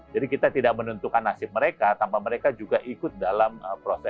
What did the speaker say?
jadi kita tidak menentukan nasib mereka tanpa mereka juga ikut dalam diskusi